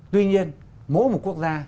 tuy nhiên mỗi một quốc gia